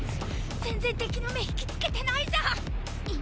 全然敵の目引きつけてないじゃん！